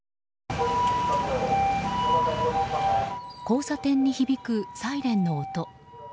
交差点に響くサイレンの音。